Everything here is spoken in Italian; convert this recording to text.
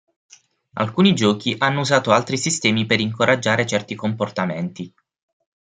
Alcuni giochi hanno usato altri sistemi per incoraggiare certi comportamenti.